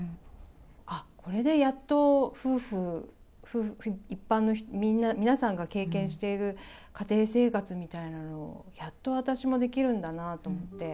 あっ、これでやっと夫婦、一般の皆さんが経験している家庭生活みたいなのを、やっと私もできるんだなと思って。